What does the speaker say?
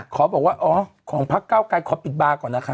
ขอบอกว่าอ๋อของพักเก้าไกรขอปิดบาร์ก่อนนะคะ